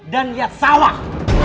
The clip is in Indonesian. dan lihat sawah